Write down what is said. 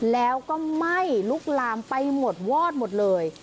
แล้วก็ไหม้ลุกลามไปหมดวอดหมดเลย